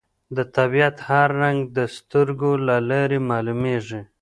د طبیعت هر رنګ د سترګو له لارې معلومېږي